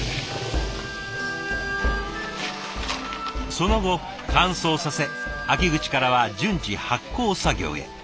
その後乾燥させ秋口からは順次発酵作業へ。